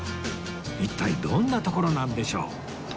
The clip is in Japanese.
一体どんな所なんでしょう？